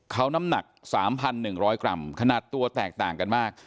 เขาน้ำหนัก๓๑๐๐กรัมขนาดตัวแตกต่างกันมาก